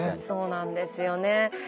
そうなんですよね。